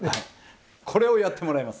これをやってもらいます。